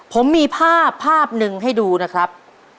ผมมีภาพภาพหนึ่งให้ดูนะครับ